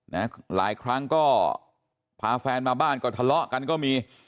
หลายครั้งก็พาแฟนมาบ้านก็ทะเลาะกันก็มี